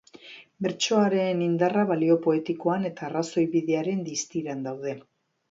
Bertsoaren indarra balio poetikoan eta arrazoibidearen distiran daude.